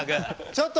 ちょっと！